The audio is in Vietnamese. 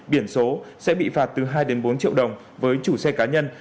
biển số sẽ bị phạt từ hai bốn triệu đồng với chủ xe cá nhân